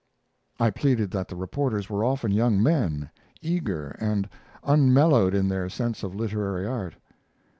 I pleaded that the reporters were often young men, eager, and unmellowed in their sense of literary art.